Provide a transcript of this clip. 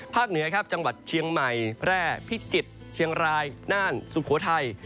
เหนือครับจังหวัดเชียงใหม่แพร่พิจิตรเชียงรายน่านสุโขทัย